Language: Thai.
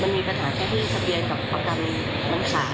ก็มันมีปัญหาแค่ที่ทะเบียนกับประกันน้องสาว